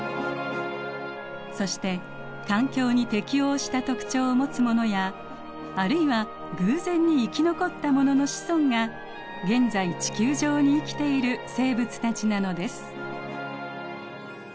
そして環境に適応した特徴をもつものやあるいは偶然に生き残ったものの子孫が現在地球上に生きている生物たちなのです。